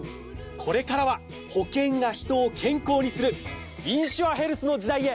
これからは保険が人を健康にするインシュアヘルスの時代へ！